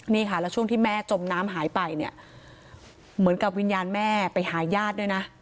นี่ค่ะแล้วช่วงที่แม่จมน้ำหายไปเนี่ยเหมือนกับวิญญาณแม่ไปหาญาติด้วยนะ